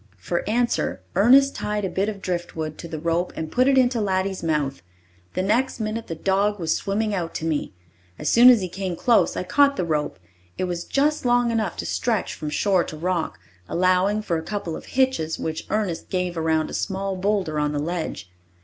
For answer Ernest tied a bit of driftwood to the rope and put it into Laddie's mouth. The next minute the dog was swimming out to me. As soon as he came close I caught the rope. It was just long enough to stretch from shore to rock, allowing for a couple of hitches which Ernest gave around a small boulder on the ledge.